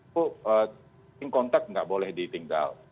itu in contact nggak boleh ditinggal